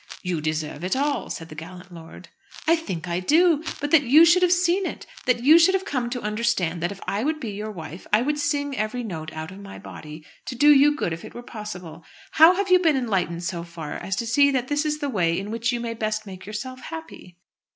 "You deserve it all," said the gallant lord. "I think I do. But that you should have seen it, that you should have come to understand that if I would be your wife I would sing every note out of my body, to do you good if it were possible. How have you been enlightened so far as to see that this is the way in which you may best make yourself happy?"